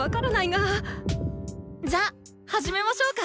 じゃあ始めましょうか。